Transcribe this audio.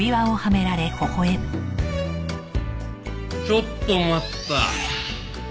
ちょっと待った。